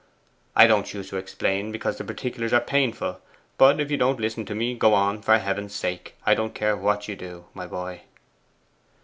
I don't choose to explain, because the particulars are painful. But if you won't listen to me, go on, for Heaven's sake. I don't care what you do, my boy.